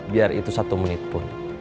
biar itu satu menit pun